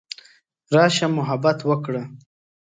راشه محبت وکړه.